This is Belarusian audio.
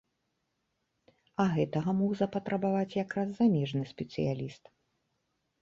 А гэтага мог запатрабаваць якраз замежны спецыяліст.